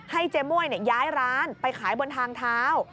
เจม่วยย้ายร้านไปขายบนทางเท้า